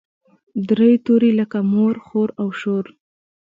درې توري لکه مور، خور او شور.